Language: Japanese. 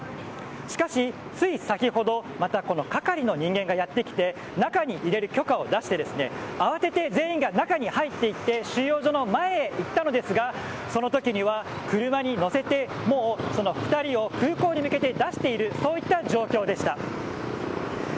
しかし、つい先ほどまた係の人間がやってきて中に入れる許可を出して慌てて全員が中に入っていって収容所の前に行ったのですがそのときには車に乗せてもう２人を、空港に向けて出しているそういった状況でした。